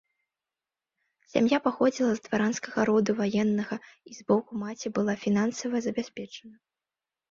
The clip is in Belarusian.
Сям'я паходзіла з дваранскага роду ваеннага і з боку маці была фінансава забяспечана.